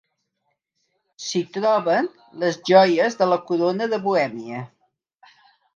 S'hi troben les joies de la corona de Bohèmia.